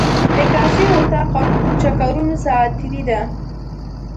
د کاسې، وطاق او چکرونو ساعتیري ده.